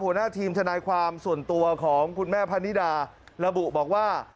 หัวหน้าทีมทนายความส่วนตัวของคุณแม่พะนิดาระบุบอกว่า